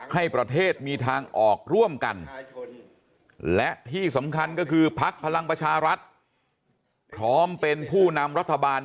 ให้ประเทศมีทางออกร่วมกันและที่สำคัญก็คือพักพลังประชารัฐพร้อมเป็นผู้นำรัฐบาล